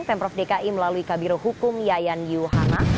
pemprov dki melalui kabiro hukum yayan yuhana